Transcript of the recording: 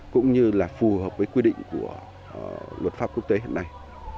cũng như là phù hợp với quy định của luật pháp quốc tế hiện nay